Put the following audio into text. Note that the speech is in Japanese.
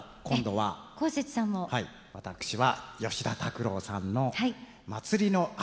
はい私は吉田拓郎さんの「祭りのあと」。